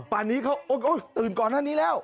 ป่านนี้เขาตื่นก่อนหน้านี้แล้ว